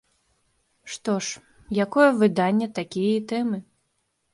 Што ж, якое выданне, такія і тэмы.